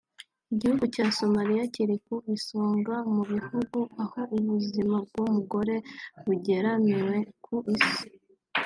Igihugu cya Somalia kiri ku isonga mu bihugu aho ubuzima bw’umugore bugeramiwe ku isi